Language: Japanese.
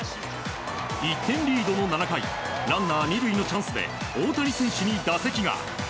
１点リードの７回ランナー、２塁のチャンスで大谷選手に打席が。